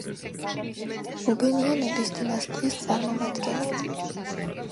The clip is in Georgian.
რუბენიანების დინასტიის წარმომადგენელი.